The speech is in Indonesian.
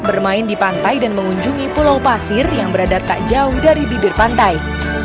bermain di pantai dan mengunjungi pulau pasir yang berada tak jauh dari bibir pantai